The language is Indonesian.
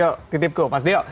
pak sdeo titi pku mas sdeo